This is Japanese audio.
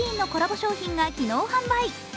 商品が今日販売。